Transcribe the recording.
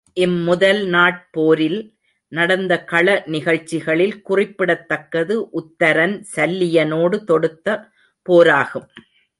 இம்முதல் நாட் போரில் நடந்த கள நிகழ்ச்சிகளில் குறிப்பிடத்தக்கது உத்தரன் சல்லியனோடு தொடுத்த போராகும்.